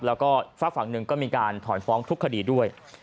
แล้วก็ฝากฝั่งหนึ่งก็มีการถอนฟ้องทุกคดีด้วย